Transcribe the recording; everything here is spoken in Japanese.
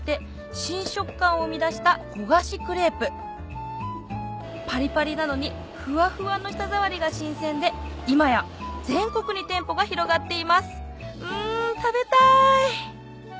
新食感を生み出した焦がしクレープパリパリなのにフワフワの舌触りが新鮮で今や全国に店舗が広がっていますん食べたい！